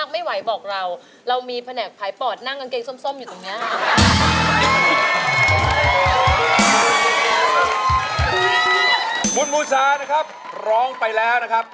มูซาล้องไปแล้วครับ